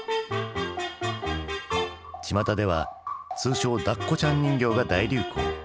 ちまたでは通称ダッコちゃん人形が大流行。